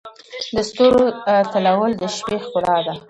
د ستورو تلؤل د شپې ښکلا ده.